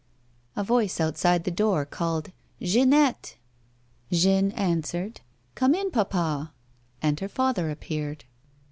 A voice outside the door called :" Jeannette !" Jeanne answered :" Come in, papa." And her father appeared.